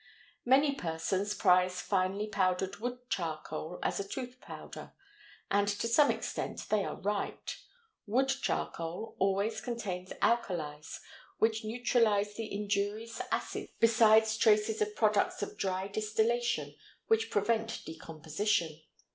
Many person prize finely powdered wood charcoal as a tooth powder, and to some extent they are right. Wood charcoal always contains alkalies which neutralize the injurious acids, besides traces of products of dry distillation which prevent decomposition.